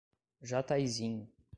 Jataizinho